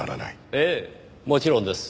ええもちろんです。